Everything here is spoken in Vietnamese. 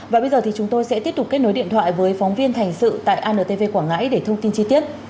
và bây giờ thì chúng tôi sẽ tiếp tục kết nối điện thoại với phóng viên thành sự tại antv quảng ngãi để thông tin chi tiết